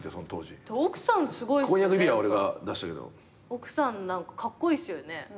奥さん何かカッコイイっすよね。